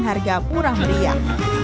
harga murah meriah